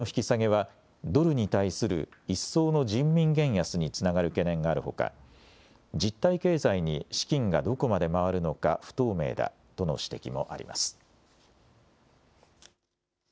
ただ、金利の引き下げは、ドルに対する一層の人民元安につながる懸念があるほか、実体経済に資金がどこまで回るのか不透明だとの指摘もあります。